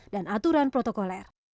dan aturan protokoler